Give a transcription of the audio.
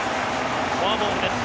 フォアボールです。